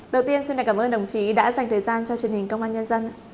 đầu tiên xin cảm ơn đồng chí đã dành thời gian cho truyền hình công an nhân dân